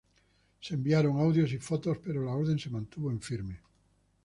Se enviaron audios y fotos, pero la orden se mantuvo en firme.